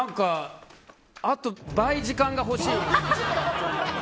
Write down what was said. あと倍時間が欲しいです。